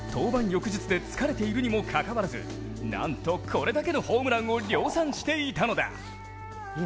翌日で疲れているにもかかわらずなんと、これだけのホームランを量産していたのだ。